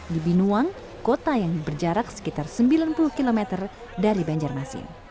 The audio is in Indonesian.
di binuang kota yang berjarak sekitar sembilan puluh km dari banjarmasin